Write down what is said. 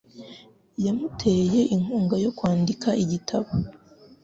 Yamuteye inkunga yo kwandika igitabo.